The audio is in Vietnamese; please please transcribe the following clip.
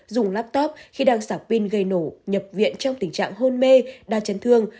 dùng laptop khi đang sạc pin gây nổ nhập viện trong tình trạng hôn mê đa chấn thương